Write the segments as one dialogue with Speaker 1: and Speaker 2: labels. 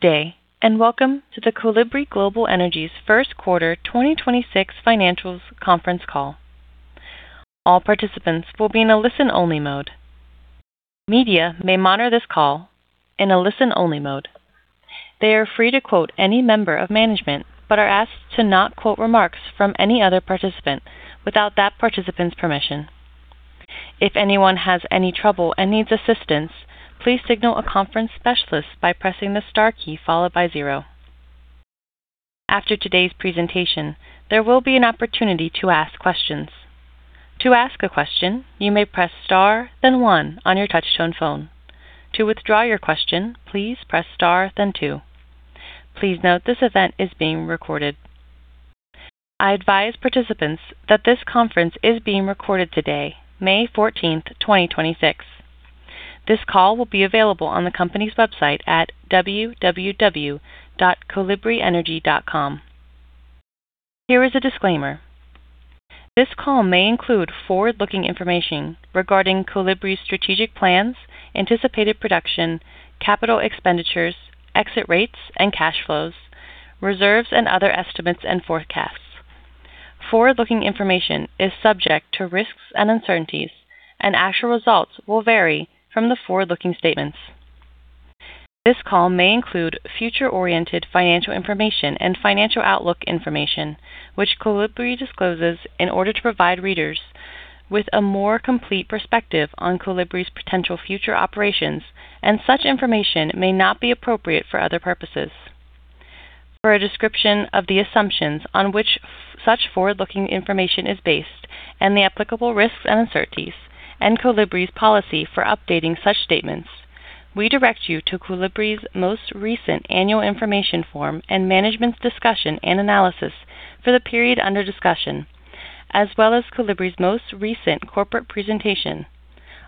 Speaker 1: Day, welcome to Kolibri Global Energy's first quarter 2026 financials conference call. All participants will be in a listen-only mode. Media may monitor this call in a listen-only mode. They are free to quote any member of management, are asked to not quote remarks from any other participant without that participant's permission. If anyone has any trouble and needs assistance, please signal a conference specialist by pressing the star key followed by zero. After today's presentation, there will be an opportunity to ask questions. To ask a question, you may press star, then one on your touchtone phone. To withdraw your question, please press star then two. Please note this event is being recorded. I advise participants that this conference is being recorded today, May 14th, 2026. This call will be available on the company's website at www.kolibrienergy.com. Here is a disclaimer. This call may include forward-looking information regarding Kolibri's strategic plans, anticipated production, capital expenditures, exit rates and cash flows, reserves and other estimates and forecasts. Actual results will vary from the forward-looking statements. This call may include future-oriented financial information and financial outlook information, which Kolibri discloses in order to provide readers with a more complete perspective on Kolibri's potential future operations, and such information may not be appropriate for other purposes. For a description of the assumptions on which such forward-looking information is based and the applicable risks and uncertainties, and Kolibri's policy for updating such statements, we direct you to Kolibri's most recent annual information form and management's discussion and analysis for the period under discussion, as well as Kolibri's most recent corporate presentation,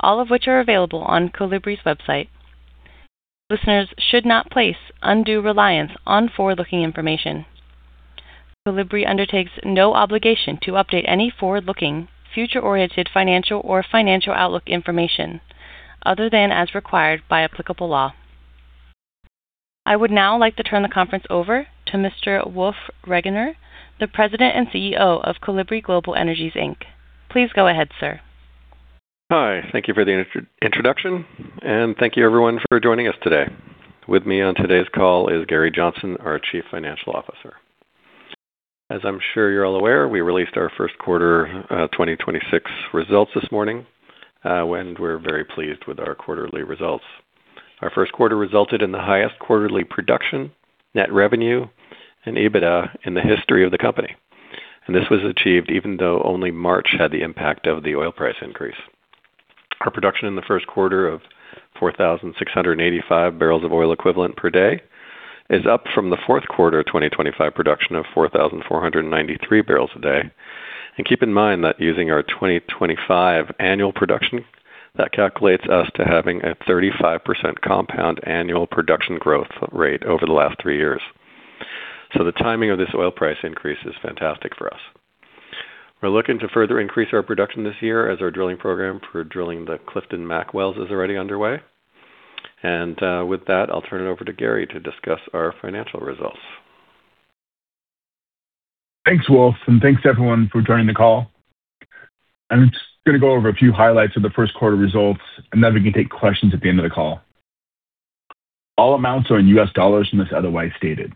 Speaker 1: all of which are available on Kolibri's website. Listeners should not place undue reliance on forward-looking information. Kolibri undertakes no obligation to update any forward-looking, future-oriented financial or financial outlook information other than as required by applicable law. I would now like to turn the conference over to Mr. Wolf Regener, the President and CEO of Kolibri Global Energy Inc. Please go ahead, sir.
Speaker 2: Hi. Thank you for the introduction, thank you everyone for joining us today. With me on today's call is Gary Johnson, our Chief Financial Officer. As I'm sure you're all aware, we released our first quarter 2026 results this morning, and we're very pleased with our quarterly results. Our first quarter resulted in the highest quarterly production, net revenue and EBITDA in the history of the company. This was achieved even though only March had the impact of the oil price increase. Our production in the first quarter of 4,685 BOE per day is up from the fourth quarter 2025 production of 4,493 barrels per day. Keep in mind that using our 2025 annual production, that calculates us to having a 35% compound annual production growth rate over the last three years. The timing of this oil price increase is fantastic for us. We're looking to further increase our production this year as our drilling program for drilling the Clifton Mac wells is already underway. With that, I'll turn it over to Gary to discuss our financial results.
Speaker 3: Thanks, Wolf, thanks to everyone for joining the call. I'm just going to go over a few highlights of the first quarter results, and then we can take questions at the end of the call. All amounts are in US dollars unless otherwise stated.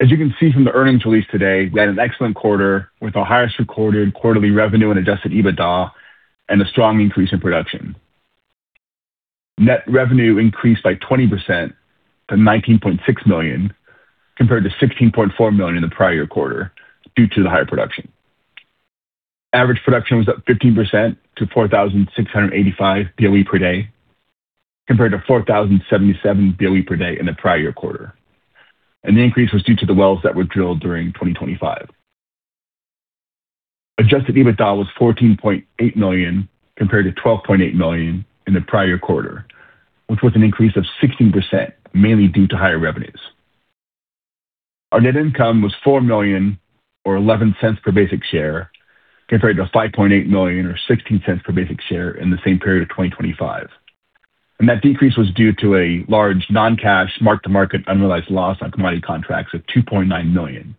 Speaker 3: As you can see from the earnings release today, we had an excellent quarter with our highest recorded quarterly revenue and adjusted EBITDA and a strong increase in production. Net revenue increased by 20% to $19.6 million, compared to $16.4 million in the prior quarter due to the higher production. Average production was up 15% to 4,685 BOE per day, compared to 4,077 BOE per day in the prior quarter. The increase was due to the wells that were drilled during 2025. Adjusted EBITDA was $14.8 million, compared to $12.8 million in the prior quarter, which was an increase of 16%, mainly due to higher revenues. Our net income was $4 million or $0.11 per basic share, compared to $5.8 million or $0.16 per basic share in the same period of 2025. That decrease was due to a large non-cash mark-to-market unrealized loss on commodity contracts of $2.9 million.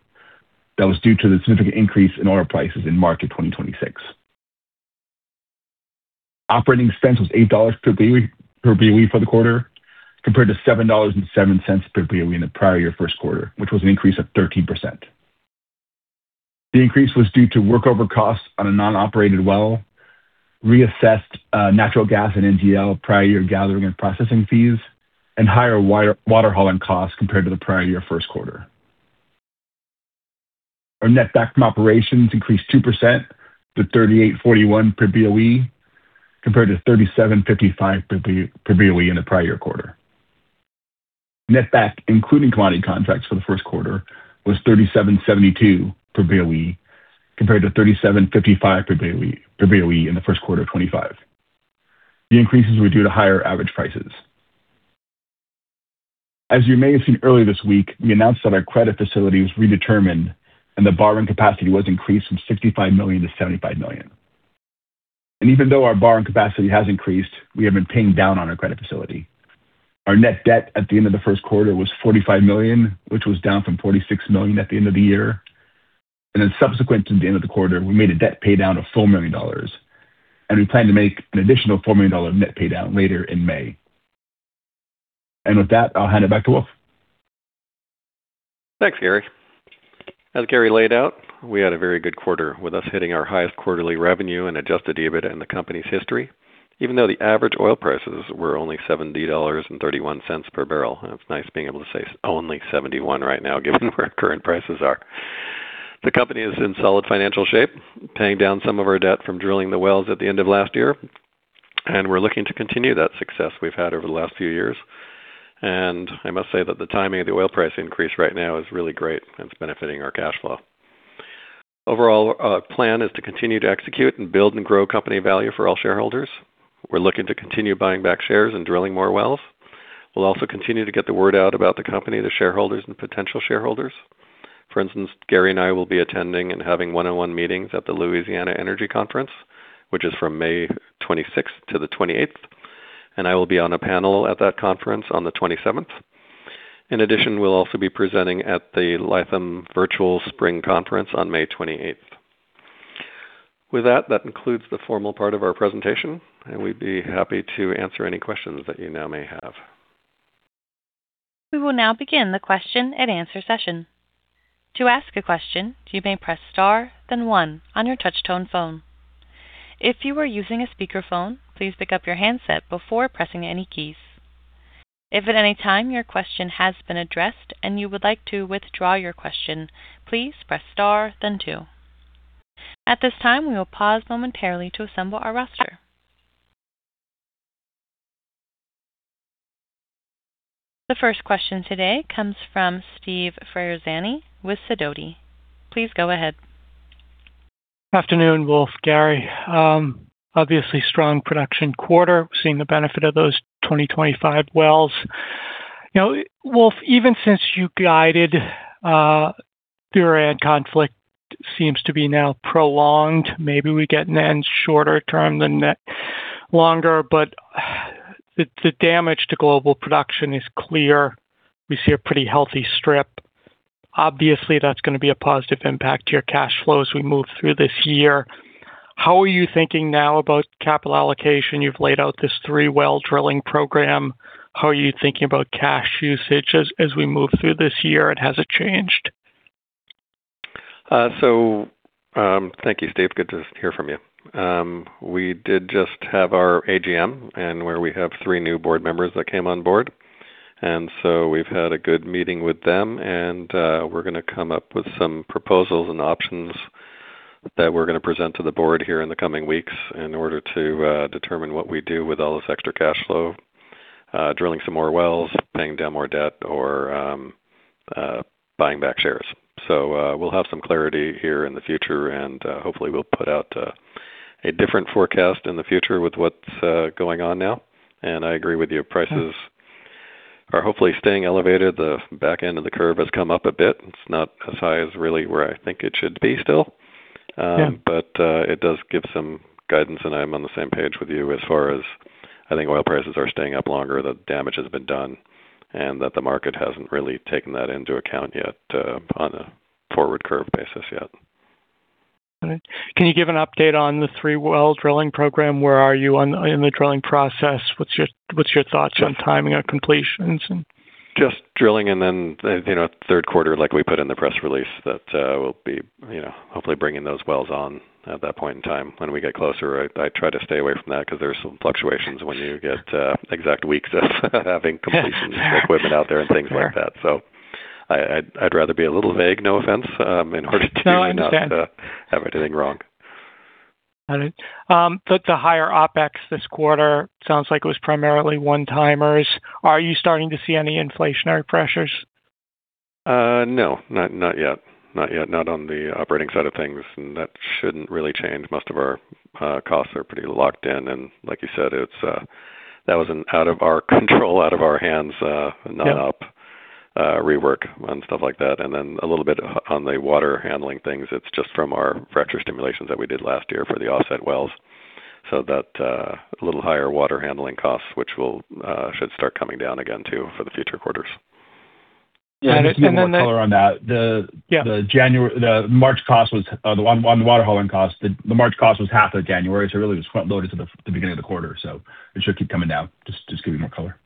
Speaker 3: That was due to the significant increase in oil prices in March of 2026. Operating expense was $8 per BOE for the quarter, compared to $7.07 per BOE in the prior year first quarter, which was an increase of 13%. The increase was due to workover costs on a non-operated well, reassessed, natural gas and NGL prior year gathering and processing fees, and higher water hauling costs compared to the prior year first quarter. Our netback from operations increased 2% to $38.41 per BOE, compared to $37.55 per BOE in the prior quarter. Netback including commodity contracts for the first quarter was $37.72 per BOE, compared to $37.55 per BOE in the first quarter of 2025. The increases were due to higher average prices. As you may have seen earlier this week, we announced that our credit facility was redetermined and the borrowing capacity was increased from $65 million-$75 million. Even though our borrowing capacity has increased, we have been paying down on our credit facility. Our net debt at the end of the first quarter was $45 million, which was down from $46 million at the end of the year. Subsequent to the end of the quarter, we made a debt pay down of $4 million, and we plan to make an additional $4 million net pay down later in May. With that, I'll hand it back to Wolf.
Speaker 2: Thanks, Gary. As Gary laid out, we had a very good quarter with us hitting our highest quarterly revenue and adjusted EBITDA in the company's history. Even though the average oil prices were only $70.31 per barrel, it's nice being able to say only $71 right now, given where current prices are. The company is in solid financial shape, paying down some of our debt from drilling the wells at the end of last year, and we're looking to continue that success we've had over the last few years. I must say that the timing of the oil price increase right now is really great, and it's benefiting our cash flow. Overall, our plan is to continue to execute and build and grow company value for all shareholders. We're looking to continue buying back shares and drilling more wells. We'll also continue to get the word out about the company to shareholders and potential shareholders. For instance, Gary and I will be attending and having one-on-one meetings at the Louisiana Energy Conference, which is from May 26th to the 28th. I will be on a panel at that conference on the 27th. In addition, we'll also be presenting at the Latham Virtual Spring Conference on May 28th. With that concludes the formal part of our presentation, and we'd be happy to answer any questions that you now may have.
Speaker 1: We will now begin a Q&A session. To ask a question you may press star and then one on your touchtone phone. If you are using a speakphone please pick up your handset before pressing any keys. If your question hasn't been addressed and you would like to withdraw your question, please press star and then two. At this time we will pause momentarily to sample the questions. The first question today comes from Steve Ferazani with Sidoti. Please go ahead.
Speaker 4: Afternoon, Wolf. Gary, obviously strong production quarter, seeing the benefit of those 2025 wells. You know, Wolf, even since you guided, the Iran conflict seems to be now prolonged. Maybe we get an end shorter term than that longer, but the damage to global production is clear. We see a pretty healthy strip. Obviously, that's gonna be a positive impact to your cash flow as we move through this year. How are you thinking now about capital allocation? You've laid out this three well drilling program. How are you thinking about cash usage as we move through this year? Has it changed?
Speaker 2: Thank you, Steve. Good to hear from you. We did just have our AGM and where we have three new board members that came on board, and so we've had a good meeting with them, and we're gonna come up with some proposals and options that we're gonna present to the board here in the coming weeks in order to determine what we do with all this extra cash flow, drilling some more wells, paying down more debt or buying back shares. We'll have some clarity here in the future, and hopefully we'll put out a different forecast in the future with what's going on now. I agree with you, prices are hopefully staying elevated. The back end of the curve has come up a bit. It's not as high as really where I think it should be still.
Speaker 4: Yeah.
Speaker 2: It does give some guidance, and I'm on the same page with you as far as I think oil prices are staying up longer, the damage has been done, and that the market hasn't really taken that into account yet, on a forward curve basis yet.
Speaker 4: All right. Can you give an update on the three well drilling program? Where are you in the drilling process? What's your thoughts on timing on completions and?
Speaker 2: Just drilling and then, you know, third quarter, like we put in the press release, that we'll be, you know, hopefully bringing those wells on at that point in time when we get closer. I try to stay away from that because there's some fluctuations when you get exact weeks of having completions equipment out there and things like that. I'd rather be a little vague, no offense, in order to not have anything wrong.
Speaker 4: Got it. The higher OpEx this quarter sounds like it was primarily one-timers. Are you starting to see any inflationary pressures?
Speaker 2: No, not yet. Not yet, not on the operating side of things. That shouldn't really change. Most of our costs are pretty locked in. Like you said, it's that was out of our control, out of our hands, non-op rework and stuff like that. Then a little bit on the water handling things. It's just from our fracture stimulations that we did last year for the offset wells. That a little higher water handling costs, which will should start coming down again too for the future quarters.
Speaker 3: Just to give more color on that.
Speaker 4: Yeah.
Speaker 3: The March cost was the one water hauling cost, the March cost was half of January, so it really was front loaded to the beginning of the quarter, so it should keep coming down. Just giving more color.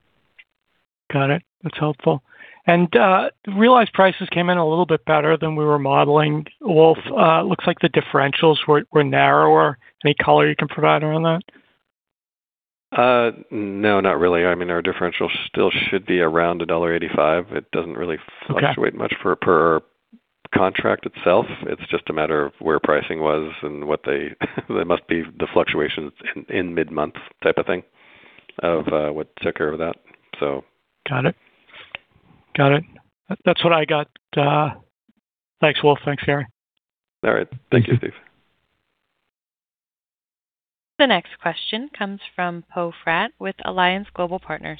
Speaker 4: Got it. That's helpful. Realized prices came in a little bit better than we were modeling. Wolf, looks like the differentials were narrower. Any color you can provide around that?
Speaker 2: No, not really. I mean, our differential still should be around $1.85. It doesn't really fluctuate much per contract itself. It's just a matter of where pricing was and what they must be the fluctuations in mid-month type of thing of, what took care of that, so.
Speaker 4: Got it. That's what I got. Thanks, Wolf. Thanks, Gary.
Speaker 2: All right. Thank you, Steve.
Speaker 1: The next question comes from Poe Fratt with Alliance Global Partners.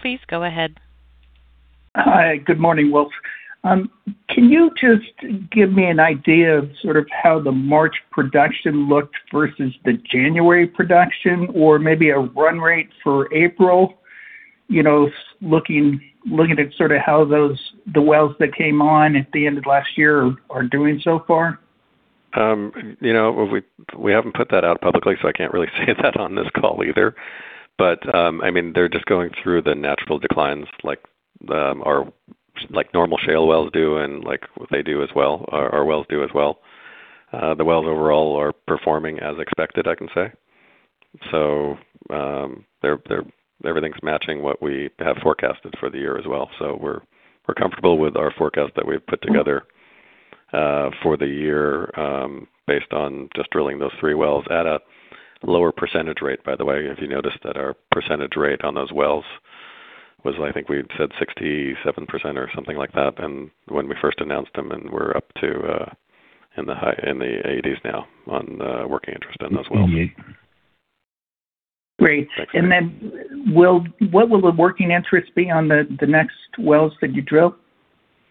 Speaker 1: Please go ahead.
Speaker 5: Hi, good morning, Wolf. Can you just give me an idea of sort of how the March production looked versus the January production or maybe a run rate for April? You know, looking at sort of how the wells that came on at the end of last year are doing so far.
Speaker 2: You know, we haven't put that out publicly, so I can't really say that on this call either. I mean, they're just going through the natural declines like our like normal shale wells do, and like they do as well. Our wells do as well. The wells overall are performing as expected, I can say. Everything's matching what we have forecasted for the year as well. We're comfortable with our forecast that we've put together for the year, based on just drilling those three wells at a lower percentage rate. By the way, if you noticed that our percentage rate on those wells was, I think we said 67% or something like that, and when we first announced them, and we're up to, in the 1980s now on, working interest in those wells.
Speaker 5: Great. Then what will the working interest be on the next wells that you drill?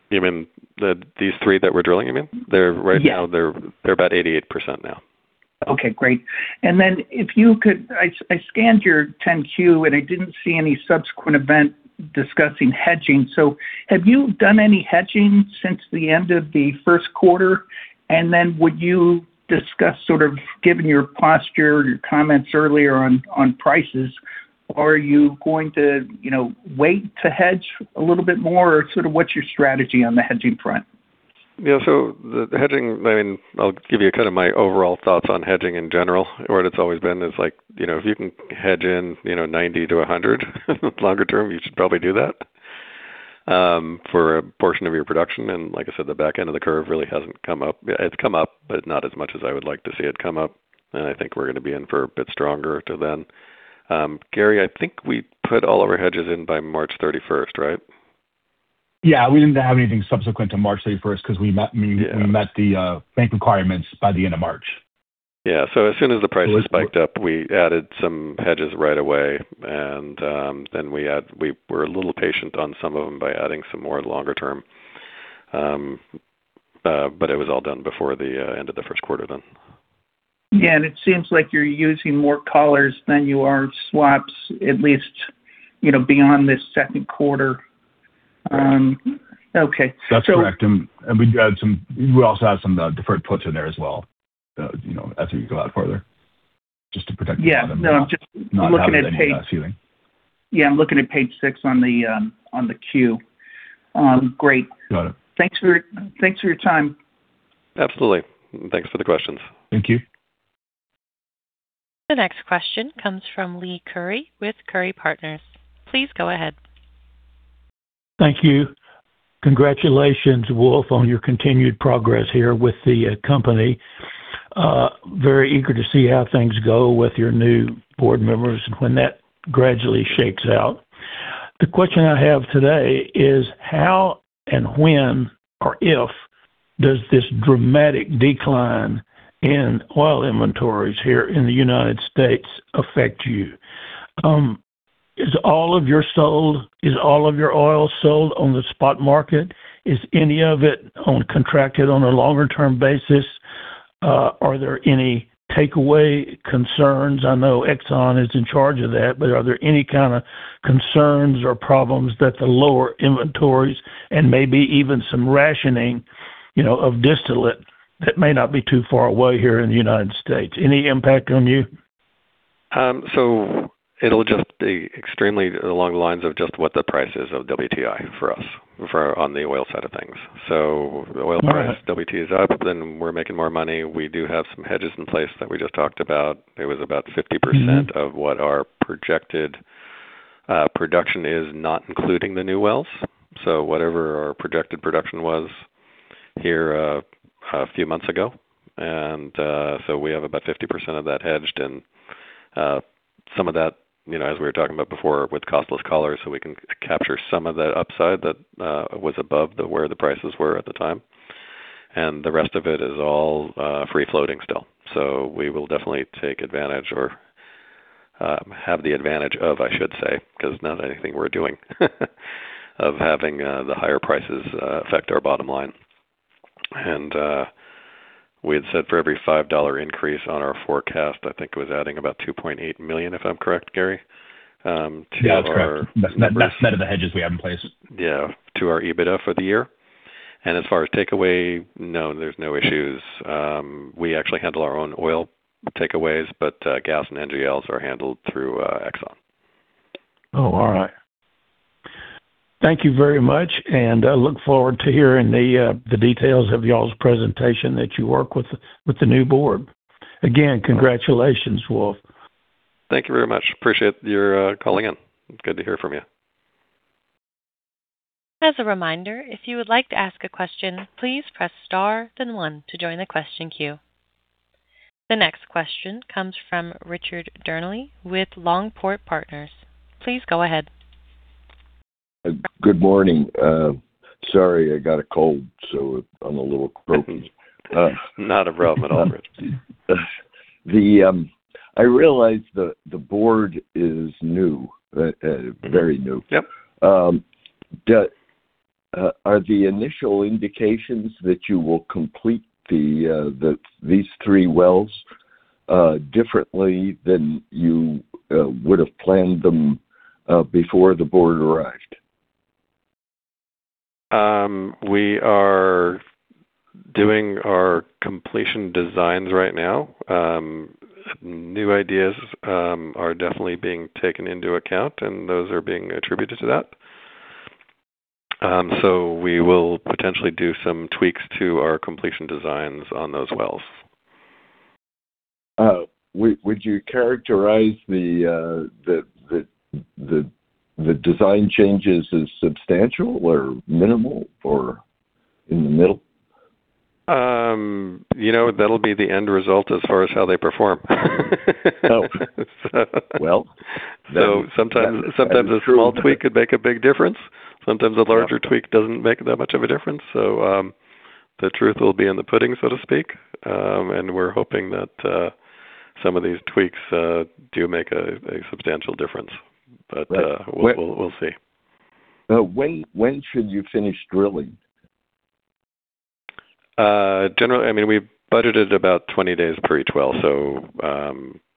Speaker 2: You mean these three that we're drilling, you mean?
Speaker 5: Yeah.
Speaker 2: Right now they're about 88% now.
Speaker 5: Okay, great. If you could, I scanned your 10-Q, and I didn't see any subsequent event discussing hedging. Have you done any hedging since the end of the first quarter? Would you discuss, sort of given your posture, your comments earlier on prices, are you going to, you know, wait to hedge a little bit more or sort of what's your strategy on the hedging front?
Speaker 2: The hedging, I mean, I'll give you kind of my overall thoughts on hedging in general, or what it's always been is like, you know, if you can hedge in, you know, $90-$100 longer term, you should probably do that for a portion of your production. Like I said, the back end of the curve really hasn't come up. It's come up, but not as much as I would like to see it come up. I think we're gonna be in for a bit stronger till then. Gary, I think we put all of our hedges in by March thirty-first, right?
Speaker 3: Yeah. We didn't have anything subsequent to March 31st because we met the bank requirements by the end of March.
Speaker 2: As soon as the prices spiked up, we added some hedges right away. We were a little patient on some of them by adding some more longer term. It was all done before the end of the first quarter.
Speaker 5: Yeah. It seems like you're using more collars than you are swaps, at least, you know, beyond this second quarter. Okay.
Speaker 3: That's correct. We also have some deferred puts in there as well. You know, as we go out farther just to protect them.
Speaker 5: Yeah. No, I'm just looking at page.
Speaker 3: Not having any ceiling.
Speaker 5: Yeah, I'm looking at page six on the, on the queue. Great.
Speaker 3: Got it.
Speaker 5: Thanks for your time.
Speaker 2: Absolutely. Thanks for the questions.
Speaker 3: Thank you.
Speaker 1: The next question comes from Leigh Curry with Curry Partners. Please go ahead.
Speaker 6: Thank you. Congratulations, Wolf, on your continued progress here with the company. Very eager to see how things go with your new board members when that gradually shakes out. The question I have today is how and when or if does this dramatic decline in oil inventories here in the U.S. affect you? Is all of your oil sold on the spot market? Is any of it contracted on a longer-term basis? Are there any takeaway concerns? I know Exxon is in charge of that, but are there any kinda concerns or problems that the lower inventories and maybe even some rationing, you know, of distillate that may not be too far away here in the U.S.? Any impact on you?
Speaker 2: It'll just be extremely along the lines of just what the price is of WTI for us for on the oil side of things.
Speaker 6: All right.
Speaker 2: WTI is up, we're making more money. We do have some hedges in place that we just talked about. It was about 50% of what our projected production is not including the new wells. Whatever our projected production was here a few months ago. We have about 50% of that hedged. Some of that, you know, as we were talking about before with costless collars, we can capture some of that upside that was above where the prices were at the time. The rest of it is all free floating still. We will definitely take advantage or have the advantage of, I should say, because not anything we're doing of having the higher prices affect our bottom line. We had said for every $5 increase on our forecast, I think it was adding about $2.8 million, if I'm correct, Gary.
Speaker 3: Yeah, that's correct. That's net of the hedges we have in place.
Speaker 2: Yeah. To our EBITDA for the year. As far as takeaway, no, there's no issues. We actually handle our own oil takeaways, but gas and NGLs are handled through Exxon.
Speaker 6: Oh, all right. Thank you very much, and I look forward to hearing the details of y'all's presentation that you work with the new board. Again, congratulations, Wolf.
Speaker 2: Thank you very much. Appreciate your calling in. Good to hear from you.
Speaker 1: As a reminder if you would like to ask a question please press star then one to join the question queue. The next question comes from Richard Dearnley with Longport Partners. Please go ahead.
Speaker 7: Good morning. Sorry, I got a cold, so I'm a little croaky.
Speaker 2: Not a problem at all.
Speaker 7: I realize the board is new, very new.
Speaker 2: Yep.
Speaker 7: Are the initial indications that you will complete these three wells differently than you would have planned them before the board arrived?
Speaker 2: We are doing our completion designs right now. New ideas are definitely being taken into account, and those are being attributed to that. We will potentially do some tweaks to our completion designs on those wells.
Speaker 7: Would you characterize the design changes as substantial or minimal or in the middle?
Speaker 2: You know, that'll be the end result as far as how they perform.
Speaker 7: Oh. Well.
Speaker 2: So sometimes-
Speaker 7: That's the truth.
Speaker 2: Sometimes a small tweak could make a big difference. Sometimes a larger tweak doesn't make that much of a difference. The truth will be in the pudding, so to speak. We're hoping that some of these tweaks do make a substantial difference.
Speaker 7: Right.
Speaker 2: We'll see.
Speaker 7: When should you finish drilling?
Speaker 2: Generally, I mean, we budgeted about 20 days per each well,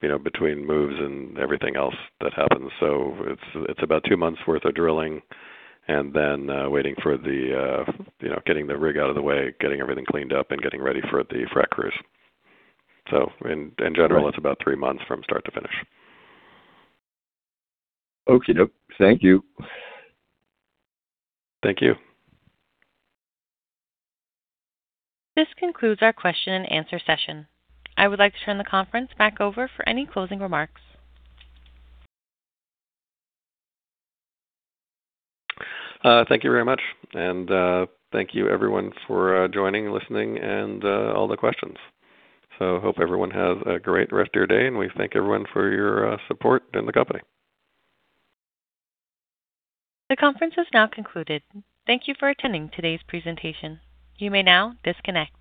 Speaker 2: you know, between moves and everything else that happens. It's about two months worth of drilling and then, you know, waiting for the rig out of the way, getting everything cleaned up, and getting ready for the frack crews. In general.
Speaker 7: Right
Speaker 2: It's about three months from start to finish.
Speaker 7: Okay. Thank you.
Speaker 2: Thank you.
Speaker 1: This concludes our Q&A session. I would like to turn the conference back over for any closing remarks.
Speaker 2: Thank you very much, and thank you everyone for joining, listening, and all the questions. Hope everyone has a great rest of your day, and we thank everyone for your support in the company.
Speaker 1: The conference has now concluded. Thank you for attending today's presentation. You may now disconnect.